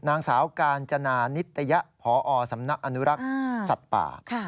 นางสาวกาญจนานิตยะพอสำนักอนุรักษ์สัตว์ป่า